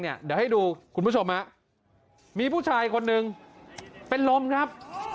เดี๋ยวให้ดูคุณผู้ชมมีผู้ชายคนหนึ่งเป็นลมครับ